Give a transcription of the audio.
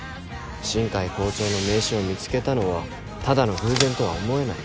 新偕校長の名刺を見つけたのはただの偶然とは思えない。